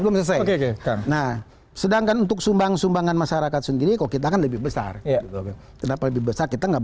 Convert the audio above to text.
memang undang undang tidak melarang